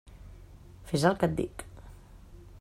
Fes el que et dic.